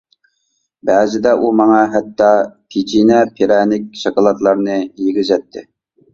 بەزىدە ئۇ ماڭا ھەتتا پېچىنە-پىرەنىك، شاكىلاتلارنى يېگۈزەتتى.